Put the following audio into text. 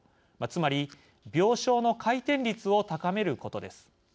つまり病床の回転率を高めることです。